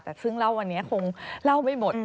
แต่ซึ่งเล่าวันนี้คงเล่าไม่หมด